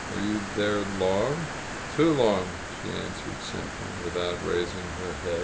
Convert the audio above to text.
"Were you there long?" "Too long," she answered simply, without raising her head.